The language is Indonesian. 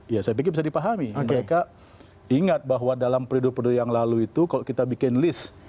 ya saya pikir bisa dipahami mereka ingat bahwa dalam periode periode yang lalu itu kalau kita bikin list